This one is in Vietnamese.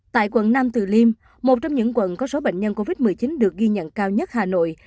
tại quận nam từ liêm một trong những quận có số bệnh nhân covid một mươi chín được ghi nhận cao nhất hà nội